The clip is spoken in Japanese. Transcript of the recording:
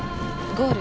ゴール。